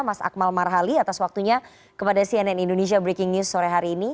mas akmal marhali atas waktunya kepada cnn indonesia breaking news sore hari ini